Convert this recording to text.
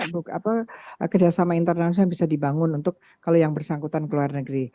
jadi itu sebenernya kerjasama internasional bisa dibangun untuk kalau yang bersangkutan luar negeri